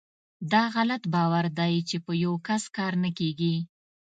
داغلط باور دی چې په یوکس کار نه کیږي .